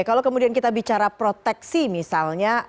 kalau kemudian kita bicara proteksi misalnya